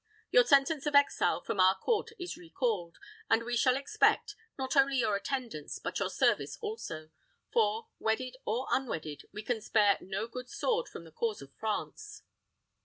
Your sentence of exile from our court is recalled, and we shall expect, not only your attendance, but your service also; for, wedded or unwedded, we can spare no good sword from the cause of France."